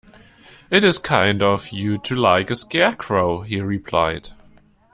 "It is kind of you to like a Scarecrow," he replied.